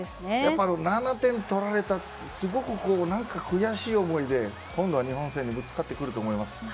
７点取られたというすごく悔しい思いで今度の日本戦にぶつかってくると思います。